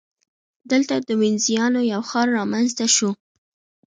دلته د وینزیانو یو ښار رامنځته شو